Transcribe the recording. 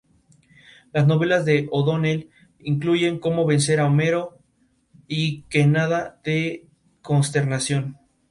Las novelas de O'Donnell incluyen Cómo vencer Homero y que nada te Consternación.